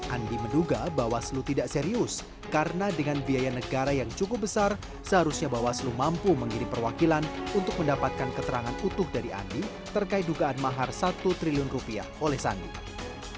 andi menduga bawaslu tidak serius karena dengan biaya negara yang cukup besar seharusnya bawaslu mampu mengirim perwakilan untuk mendapatkan keterangan utuh dari andi terkait dugaan mahar satu triliun rupiah oleh sandiaga